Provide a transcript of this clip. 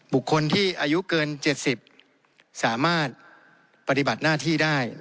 บุคคลที่อายุเกิน๗๐สามารถปฏิบัติหน้าที่ได้